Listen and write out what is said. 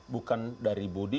bukan dari budi